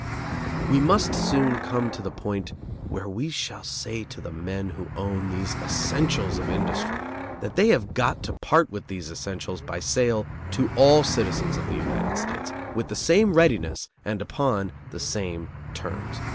We must soon come to the point where we shall say to the men who own these essentials of industry that they have got to part with these essentials by sale to all citizens of the United States with the same readiness and upon the same terms.